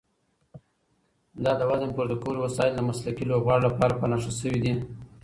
دا د وزن پورته کولو وسایل د مسلکي لوبغاړو لپاره په نښه شوي دي.